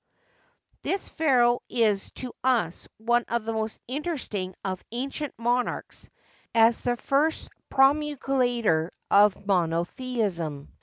This pharaoh is to us one of the most interesting of ancient monarchs, as the first promulgator of monotheism.